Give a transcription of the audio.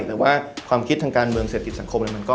แต่ว่าความคิดทางการเมืองเศรษฐกิจสังคมอะไรมันก็